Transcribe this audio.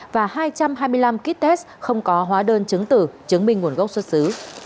và hai trăm hai mươi năm kit test không có hóa đơn chứng tử chứng minh nguồn gốc xuất xứ